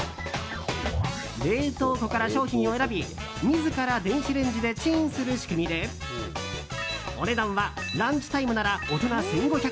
冷凍庫から商品を選び自ら電子レンジでチンする仕組みでお値段はランチタイムなら大人１５００円。